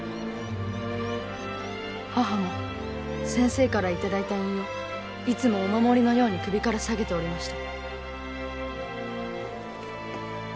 母も先生から頂いた印をいつもお守りのように首から下げておりました。